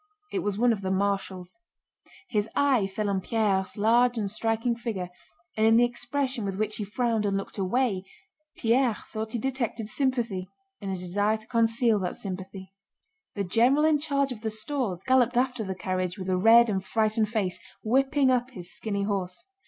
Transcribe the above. It was one of the marshals. His eye fell on Pierre's large and striking figure, and in the expression with which he frowned and looked away Pierre thought he detected sympathy and a desire to conceal that sympathy. The general in charge of the stores galloped after the carriage with a red and frightened face, whipping up his skinny horse.